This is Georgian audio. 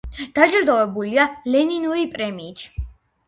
დაჯილდოებულია ლენინური პრემიით.